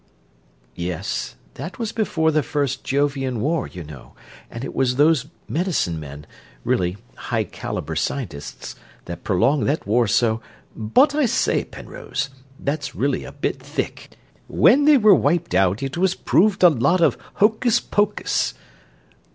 _" "Yes. That was before the First Jovian War, you know, and it was those medicine men really high caliber scientists that prolonged that war so...." "But I say, Penrose, that's really a bit thick. When they were wiped out it was proved a lot of hocus pocus...."